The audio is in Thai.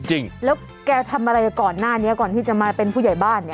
จริงแล้วแกทำอะไรก่อนหน้านี้ก่อนที่จะมาเป็นผู้ใหญ่บ้าน